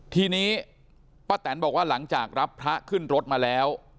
ทีนี้ป้าแตนบอกว่าหลังจากรับพระขึ้นรถมาแล้ว